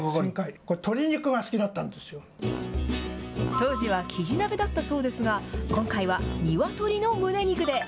当時はきじ鍋だったそうですが、今回はにわとりのむね肉で。